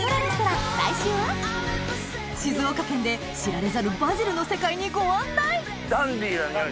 静岡県で知られざるバジルの世界にご案内ダンディーな匂い。